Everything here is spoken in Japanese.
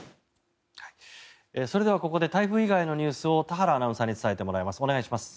それでは、ここで台風以外のニュースを田原アナウンサーに伝えてもらいます。